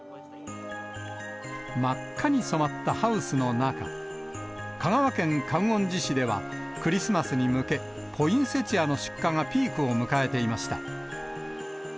真っ赤に染まったハウスの中、香川県観音寺市では、クリスマスに向け、ポインセチアの出荷がピークを迎えていました。